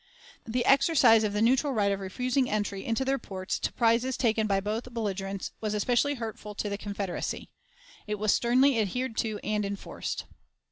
The exercise of the neutral right of refusing entry into their ports to prizes taken by both belligerents was especially hurtful to the Confederacy. It was sternly adhered to and enforced.